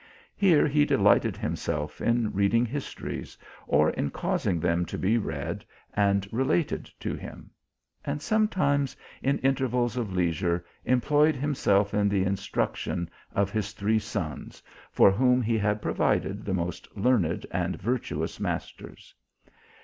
Here he delighted him self in reading histories, or in causing them to be read and related to him ; and sometimes, in inter vals of leisure, employed himself in the instruction of his three sons, for whom he had provided thf most learned and virtuous masters.